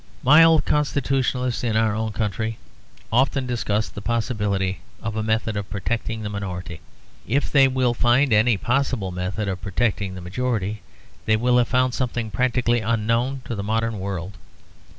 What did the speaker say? Mild constitutionalists in our own country often discuss the possibility of a method of protecting the minority. If they will find any possible method of protecting the majority, they will have found something practically unknown to the modern world.